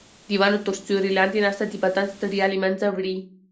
د ونو تر سیوري لاندې ناسته د بدن ستړیا له منځه وړي.